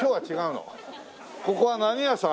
ここは何屋さん？